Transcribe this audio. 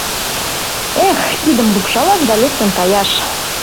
«Эх, кидым лупшалаш да лектын каяш!